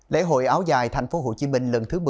lễ hội áo dài tp hcm lần thứ một mươi